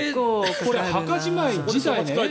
墓じまい自体ね